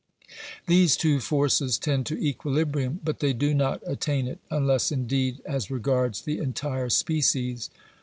These two forces tend to equilibrium, but they do not attain it, unless indeed as regards the entire species.